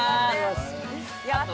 やった。